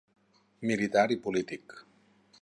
Militar i polític.